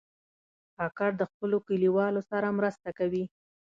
کاکړ د خپلو کلیوالو سره مرسته کوي.